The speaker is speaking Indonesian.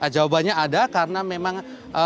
jawabannya ada karena memang